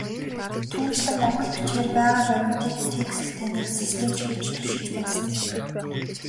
Түүнчлэн, монгол бичгээр байгаа баримтыг текст таних систем ч хийж туршиж байсан.